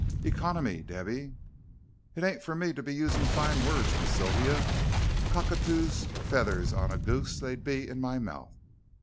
"Economy, Debby." "It ain't fur me to be using fine words, Miss Sylvia; cockatoos' feathers on a goose they'd be in my mouth.